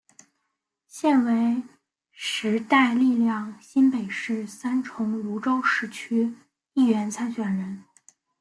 现为时代力量新北市三重芦洲区市议员参选人。